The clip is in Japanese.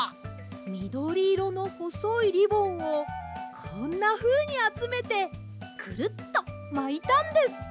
みどりいろのほそいリボンをこんなふうにあつめてクルッとまいたんです。